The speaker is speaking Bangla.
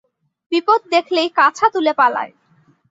বিপদ দেখলেই কাছা তুলে পালায়।